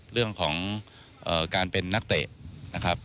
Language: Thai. เรื่องของการเป็นนักเตะนะครับ